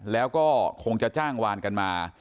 แล้วก็คงจะจ้างวานกันมา